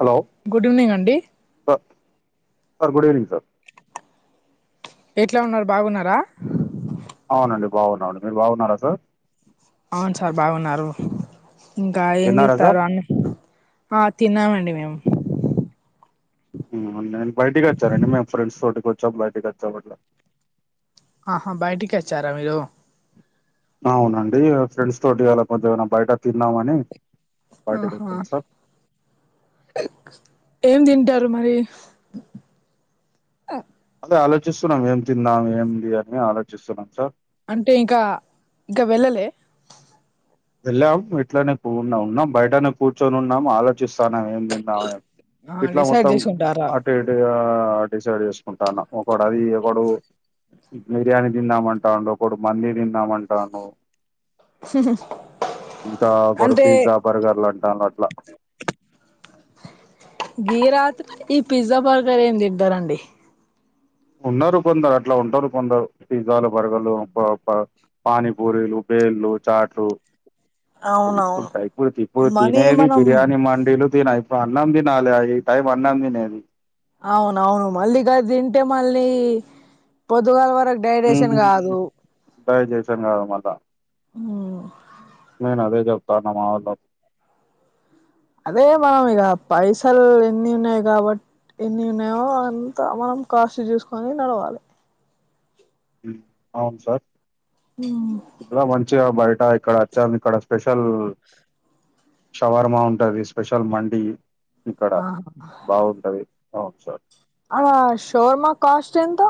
Hello good evening అండి good evening sir ఎట్లా ఉన్నారు బాగున్నారా అవునండి బాగున్నా అండి మీరు బాగున్నారా సార్ అవును సార్ బాగున్నారు ఇంకా ఏం తిన్నారా సార్ చేత్తరు అన్న కి ఆ తిన్నామండి మేము నేను బయటకి వచ్చానండి మేమ్ ఫ్రెండ్స్ తోటికి వచ్చాం బయటకి వచ్చాం అట్ల ఆహా బయటికి వచ్చారా మీరు అవునండి ఫ్రెండ్స్ తోటి అలా కొంచెం ఎమనా బయట తిందామని బయటకి ఆహా వచ్చాం సార్ ఏం దింటారు మరి అదే ఆలోచిస్సున్నాం ఏం తిందాం ఏంది అని ఆలోచిస్సున్నాం సార్ అంటే ఇంకా ఇంకా వెళ్ళలే వెళ్ళాం ఇట్లనే కూ ఉన్నాం నాం బయటనే కూర్చొని ఉన్నాం ఆలోచిస్సాన్నం ఏం నిన్నాయ ఆహా, ఇట్లా డిసైడ్ మొత్తం చేసుకుంటారా టేటుగా డిసైడ్ ఏసుకుంటనన్ ఒకడు అదీ ఒకడు బిర్యానీ దిందాం అంటాండు ఒకడు మందీ దిందామంటాండు హుహు ఇంకా ఒకరు పిజ్జా బర్గర్లు అంటాన్ల్ అట్ల గీ రాత్ ఈ పిజ్జా బర్గర్ ఏం దింటారండి ఉన్నారు కొందరు అట్లా ఉంటారు కొందరు పిజ్జాలు బర్గర్లు పా పా పానీపూరీలు బేళ్లు చాట్లు ఇప్పుడు అవునవును ట ఇప్పుడు తి ఇప్పుడు మనీ తినేది మనం బిర్యానీ మండీలు తినైప్ ప అన్నం దినాలే ఆ ఈ టైమ్ అన్నం దినేది అవునవును మళ్ళి ఇకా తింటే మళ్ళీ పొద్దుగాల వరక్ ఊ టై చేశాను గద మళ్ళ ఊ నేన్ అదే జెప్తాన్న మా వోళ్ళక్ అదే మనం ఇగా పైసల్ ఎన్ని ఉన్నయ్ గాబట్ ఎన్ని ఉన్నయో అంత మనం కాస్ట్ జూసుకొని నడవాలె ఉ అవున్ సార్ ఊ ఇట్లా మంచిగా బయట ఇక్కడ అచ్చాం ఇక్కడ స్పెషల్ షవర్మా ఉంటది స్పెషల్ మండీ ఇక్కడ ఆహా బా ఉంటది అవున్ సార్ ఆ షవర్మా కాస్ట్ ఎంత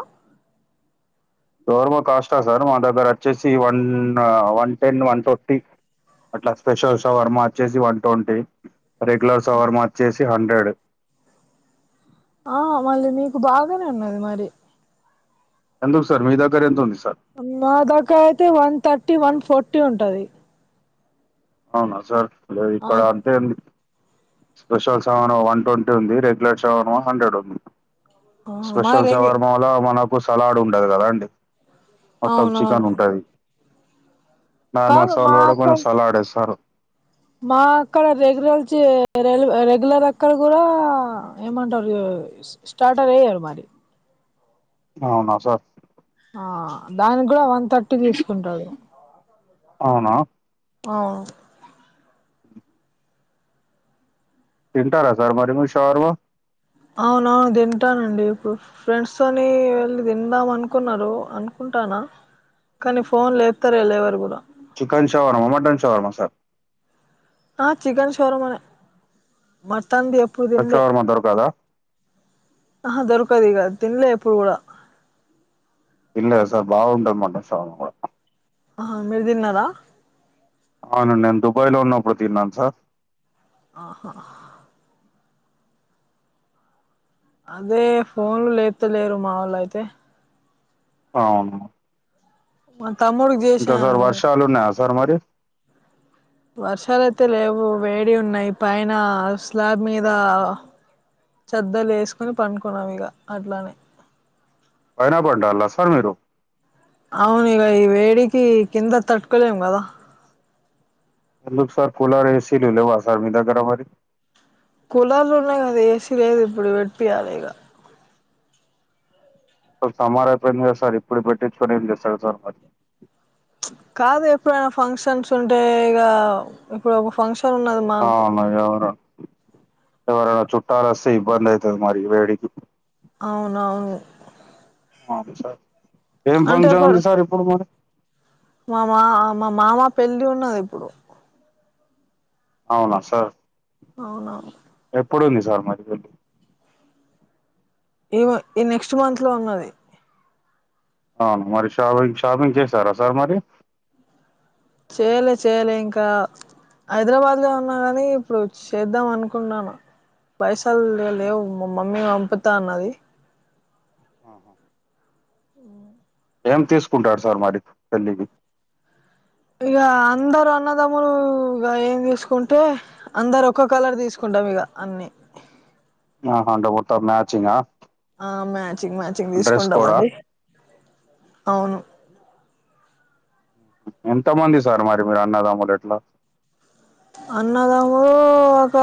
శవర్మ కాస్టా సార్ మా దగ్గర అచ్చేసి వన్ ఆ వన్ టెన్ వన్ టొట్టి అట్లా స్పెషల్ సవర్మ ఒచ్చేసి వన్ టొంటీ రెగ్యులర్ సవర్మ ఒచ్చేసి హండ్రెడ్ ఆ మళ్ళి నీకు బాగనే ఉన్నది మరి ఎందుకు సార్ మీ దగ్గర ఎంత ఉంది సార్ మా దక్కా అయితే వన్ థర్టీ వన్ ఫోర్టీ ఉంటది అవునా సార్ లేదు ఆ ఇక్కడ అంతే ఉంది స్పెషల్ సెవను వన్ టొంటి ఉంది రెగ్యులర్ సెవను హండ్రెడ్ ఉంది మా స్పెషల్ రంగి సవర్మ వల్ల మనకు సలాడ్ ఉండదు గదా అండి మొత్తం చికెన్ అవునవును ఉంటది నార్మల్ కాదు మా స్టాల్లో గూడ అక్క కొంచ సలాడ్ ఏస్తారు మా అక్కడ రెగ్యులర్ చే రెలు రెగ్యులర్ అక్కడ గుడా ఏమంటరూ స్టార్టర్ ఏయరు మరి అవునా సార్ ఆ దాని గుడా వన్ థర్టీ దీసుకుంటరు అవునా అవ్ తింటారా సార్ మరి మీరు శవర్మ అవునవును దింటానండి ఇప్పుడు ఫ్రెండ్స్ తోనీ వెళ్ళి దిందాం అనుకున్నారు అనుకుంటానా కానీ ఫోన్ లేప్తరే లేవరు గూడ chicken shawarma mutton shawarma sir ఆ చికెన్ షోరుమనే మటన్ ది ఎప్పుడు దిన్లే కొందరు కదా ఆహా దొరకదు ఈగ తిన్లే ఎప్పుడు కూడా ఇల్ సార్ బాగుంటే మాంట సా కూడా ఆహా మీరు తిన్నారా అవును నేను దుబాయ్ లో ఉన్నప్పుడు తిన్నాను సార్ ఆహా అదే ఫోన్లు లేత లేరు మా వాళ్ళ అయితే అవును మా తమ్ముడికి ఇంకా చేసాను సార్ వర్షాలు ఉన్నాయా సార్ మరి వర్షాలయితే లేవు వేడి ఉన్నాయి పైన స్లాబ్ మీద చెద్దలు వేసుకొని పండుకున్నాం ఇక అట్లానే అయినా పండాల సార్ మీరు అవునిగ ఈ వేడికి కింద తట్టుకోలేము కదా ఎందుకు సార్ కూలర్ ఏసీలు లేవా సార్ మీ దగ్గర మరీ కూలర్లు ఉన్నాయి కదా ఏసీ లేదు ఇప్పుడు పెట్యాలి ఇక స సమార్ అయిపోయింది కదా సార్ ఇప్పుడు పెట్టించుకొని ఏం చేస్తాడు సార్ మరి కాదు ఎప్పుడైనా ఫంక్షన్స్ ఉంటే ఇక ఇప్పుడు ఒక ఫంక్షన్ ఉన్నది మాకు అవును ఎవర ఎవరైనా చుట్టాల వస్తే ఇబ్బంది అయితది మరి వేడికి అవునవును అ సార్ ఏం అంటే ఒక ఫంక్షన్ ఉంది సార్ ఇప్పుడు మరి మా మా మా మామ పెళ్ళి ఉన్నది ఇప్పుడు అవునా సార్ అవునవును ఎప్పుడుంది సార్ మది పెళ్ళ ఏ ఈ నెక్స్ట్ మంత్ లో ఉన్నది. అవును మరి షాపింగ్ షాపింగ్ చేశారా సార్ మరి. చేయలే చేయలే ఇంకా. హైదరాబాద్ లో ఉన్నా గాని ఇప్పుడు చేద్దాం అనుకున్నాను. పైసలు లే లేవు మా మమ్మీ పంపుతా అన్నది. ఆహా. ఏం తీసుకుంటారు సార్ మరి పెళ్ళికి. ఇగ అందరు అన్నదమ్ములు ఇగ ఏం తీసుకుంటే. అందరు ఒక్క కలర్ తీసుకుంటాం ఇగ అన్ని. ఆహా అంటే మొత్తం మ్యాచింగా. ఆ మ్యాచింగ్ మ్యాచింగ్ డ్రెస్ కోడా తీసుకుంటామండి అవును. ఎంత మంది సార్ మరి మీరు అన్నదమ్ములు ఎట్లా. అన్నదమ్ములు ఒక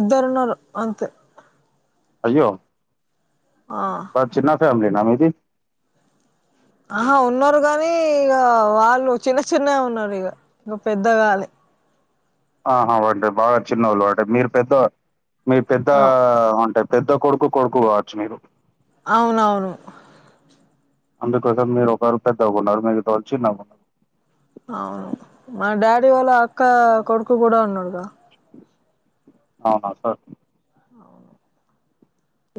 ఇద్దరు ఉన్నారు అంతే. అయ్యో. ఆ. బట్ చిన్న ఫ్యామిలీ నా మీది. ఆహా ఉన్నారు గానీ ఇగ వాళ్ళు చిన్న చిన్న ఉన్నారు ఇగ ఇంకా పెద్దగాలే. ఆహా అంటే బాగా చిన్నోళ్ళు అంటే మీరు పెద్ద మీ పెద్ద అవు అంటే. పెద్ద కొడుకు కొడుకు కావచ్చు మీరు అవునవును అందుకోసం మీరు ఒకరు పెద్దగున్నారు మిగతావాళ్ళు చిన్న ఉన్నా అవును మా డాడీ వాళ్ళ అక్క కొడుకు కూడా ఉన్నాడుగా అవునా సార్ అవును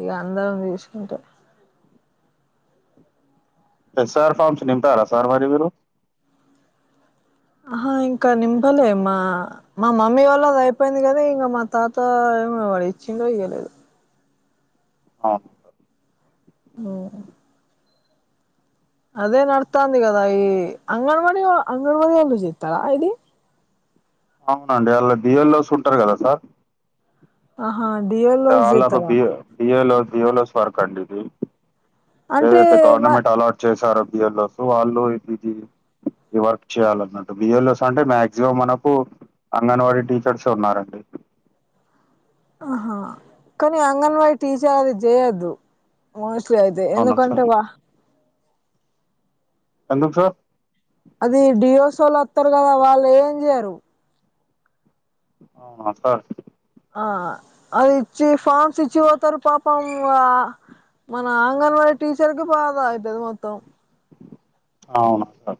ఇగ అందరం తీసుకుంటే ఎస్ ఆర్ ఫార్మ్స్ నింపారా సార్ మరి మీరు ఆహా ఇంకా నింపలే మా మా మమ్మీ వాళ్ళది అయిపోయింది గానీ ఇంగ మా తాత ఏమో మరి ఇచ్చిండో ఇయ్యలేదో అవును ఊ అదే నడుత్తాంది కదా ఈ అంగన్వాడి వా అంగన్వాడి వాళ్ళు చేత్తారా ఇది అవునండి అల్లా బి యల్ వో స్ ఉంటారు కదా సార్ ఆహా డి యల్ వో స్ జేత్తరా డి యల్ వో దియోలోస్ వర్క్ అండి ఇది అంటే ఏదైతే మ గవర్నమెంట్ అలాట్ చేసారో బి ఎల్ వో స్ వాళ్ళు ఇది ఈ వర్క్ చెయ్యాలి అన్నట్టు బి ఎల్ వో స్ అంటే మాక్సిమం మనకు అంగన్వాడి టీచర్సే ఉన్నారండి ఆహా కానీ అంగన్వాడి టీచర్ అది జేయద్దు మోస్లీ అయితే అవునా సార్ ఎందుకంటే వా ఎందుకు సార్ అది డియోస్ ఓళ్ళు వత్తరు కదా వాళ్ళు ఏం చెయ్యరు అవునా సార్ ఆ అది ఇచ్చి ఫార్మ్స్ ఇచ్చి పోతారు పాపం వా మన ఆంగన్వాడీ టీచర్ కి బాధ అయితాది మొత్తం అవునా సార్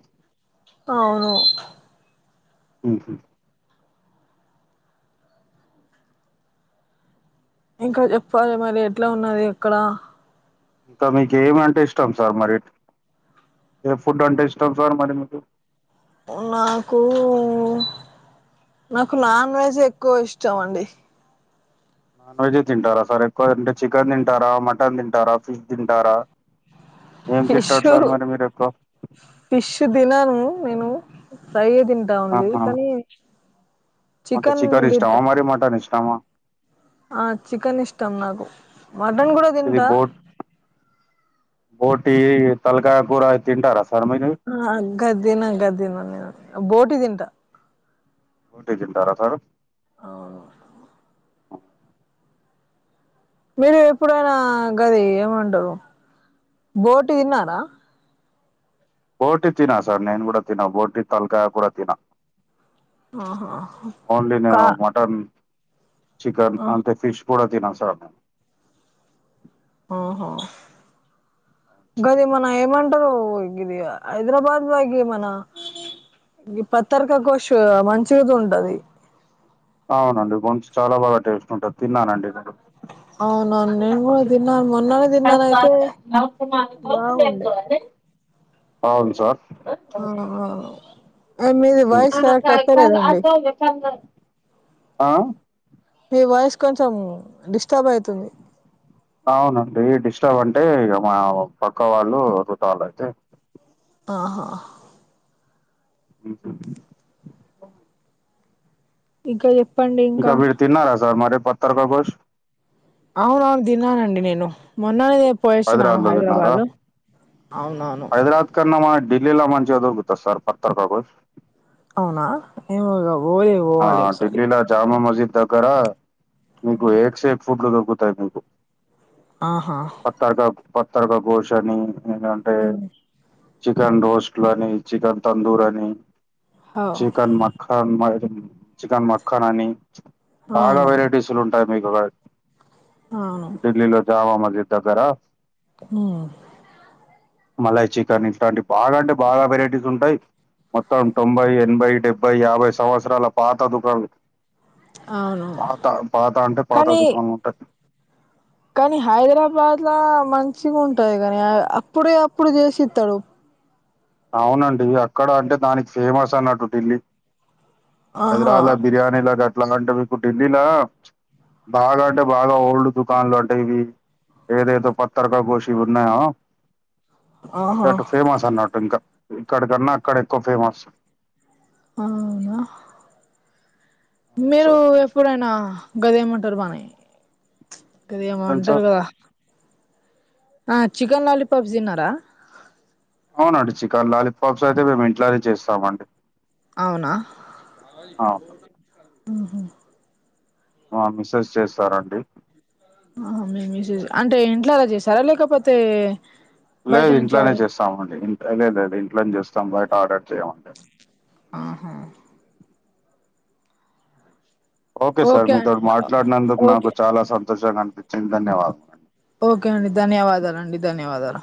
అవును ఊహు ఇంకా చెప్పాలి మరి ఎట్లా ఉన్నది ఎక్కడ ఇంకా మీకు ఏమింటే ఇష్టం సార్ మరి ఏ ఫుడ్ అంటే ఇష్టం సార్ మరి మీకు నాకు నాకు నాన్ వెజ్ ఎక్కువ ఇష్టం అండి నాన్ వెజ్ యే తింటారా సార్ ఎక్కువ అంటే చికెన్ తింటారా మటన్ తింటారా ఫిష్ తింటారా ఏం తింటారు పిష్షు సార్ మరి మీరు ఎక్కువ పిష్ తినను నేను ఫ్రైయే తిన్ టా ఓన్లీ ఆహా కానీ అంటే చికెన్ ఇష్టమా మరి మటన్ ఇష్టమా ఆ చికెన్ ఇష్టం నాకు మటన్ కూడా ఇది తింటా బోట్ బోటీ తలకాయ కూర ఇది తింటారా సార్ మీ ఆ గది దిన గది దినను నేను బోటి దింటా బోటి తింటారా సారు అవును మీరు ఎప్పుడైనా గది ఏమంటారు బోటి తిన్నారా బోటి తినా సార్ నేను కూడా తినా బోటి తల్కాయ్ కూర తినా ఆహా ఓన్లీ నేను కా మటన్ చికెన్ అంతే ఫిష్ కూడా తినా సార్ మేం ఆహా గది మన ఏమంటారు ఇగ్ ఇదియా హైదరాబాద్ బైకి మన ఈ పత్తరికా గోష్ మంచిగైతే ఉంటది అవునండి కొంచ్ చాలా బాగా టేస్ట్ ఉంటది తిన్నానండి కొంచెం అవునవును నేను కూడా తిన్నాను మొన్ననే తిన్నాను అయితే బాగుండే [unintelligible] అవును సార్ ఆ ఆ మీది వాయిస్ కరెక్ట్ వస్తలేదండి ఆ మీ వాయిస్ కొంచెం డిస్టర్బ్ అయితుంది అవునండి డిస్టర్బ్ అంటే ఇక మా పక్క వాళ్ళు [unintelligible] అయితే ఆహా ఊహూ ఇంకా చెప్పండి ఇంకా తిన్నారా సార్ మరి పత్తర్క గోష్ అవును అవును దినానండి నేను మొన్ననే పోయసి వచ్చినాను లో తిన్నారా హైదరాబాద్ ఇకన్నా మ ఢిల్లీలా మంచిగా దొరుకుతుంది సార్ పత్తర్ కాక ఘోష్ అవునా ఏం కావు ఆ ఢిల్లీలో జామా మస్జిద్ దగ్గర మీకు ఏక్ సేక్ ఫుడ్లు తగ్గుతాయి మీకు ఆహా పత్త పత్తర్ కాక ఘోష్ అని అవును చికెన్ రోస్ట్లని చికెన్ తందూరని అవును చికెన్ మక్కన్ మ చికెన్ మక్కన్ అని చాలా అవును వెరైటీస్లు ఉంటాయి మీకు ఒక అవును ఢిల్లీలో జామా మస్జిద్ దగ్గర హ్మ్ మలయి చికెన్ ఇట్లాంటి బాగా అంటే బాగా వెరైటీస్ ఉంటాయి మొత్తం తొంభై ఎనభై డెబ్బై యాభై సంవత్సరాల పాత దుకాం లు అవును పాత పాత అంటే పాత కానీ దుకాం ఉంటది కానీ హైదరాబాద్లా మంచిగా ఉంటాది కానీ అప్పుడే అప్పుడు చేసిత్తడు అవునండి అక్కడ అంటే దానికి ఫేమస్ అన్నట్టు ఢిల్లీ ఆహా హైదరాబాద్ బిర్యానీ లా అట్లా అంట మీకు ఢిల్లీలా బాగా అంటే బాగా ఓల్డ్ దుకాన్లు అంటే ఇవి ఏదైతే పత్తర్ కా ఘోష్ ఇవి ఉన్నాయో ఆహా అటు ఫేమస్ అన్నట్టు ఇంకా ఇక్కడికన్నా అక్కడ ఎక్కువ ఫేమస్ అవునా మీరు సార్ ఇప్పుడైనా గది ఏమంటారు బానే గది ఏం ఏమంటారు సార్ కదా ఆ చికెన్ లాలిపప్స్ తిన్నారా అవునండి చికెన్ లాలీపాప్స్ అయితే మేము ఇంట్లోనే చేస్తామండి అవునా అవును ఊహూ మా మిస్సెస్ చేస్తారండి ఆహ మీ మిసెస్ అంటే ఇంట్లోనే చేసారా లేకపోతే బయట లేదు నుంచి ఇంట్లోనే ఆర్డర్ చేస్తామండి ఇంట్ లేదు లేదు ఇంట్లోనే చేస్తాం బయట ఆర్డర్ చేయమండి ఆహా ఓకే సార్ మీతో మాట్లాడినందుకు నాకు ఓకే చాలా సంతోషంగా అనిపించింది ధన్యవాదాలు ఓకే అండి ధన్యవాదాలు అండి ధన్యవాదాలు